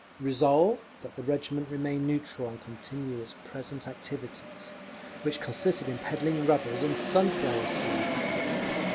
Resolved, that the regiment remain neutral, and continue its present activities—which consisted in peddling rubbers and sunflower seeds!